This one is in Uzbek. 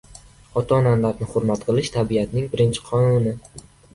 Ota-onani hurmat qilish – tabiatning birinchi qonuni.